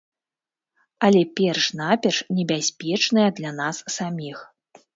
Але перш-наперш небяспечныя для нас саміх.